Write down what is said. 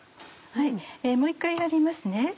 もう一回やりますね